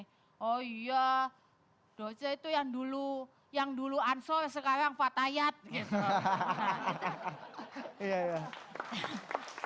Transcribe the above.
oh iya doce itu yang dulu ansor sekarang fatayat gitu